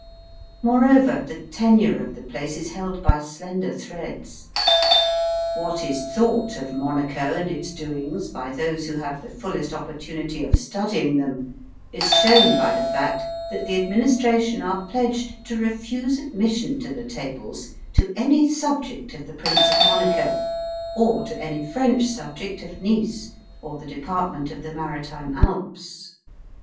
Moreover, the tenure of the place is held by slender threads. What is thought of Monaco and its doings by those who have the fullest opportunity of studying them is shown by the fact that the Administration are pledged to refuse admission to the tables to any subject of the Prince of Monaco, or to any French subject of Nice or the department of the Maritime Alps.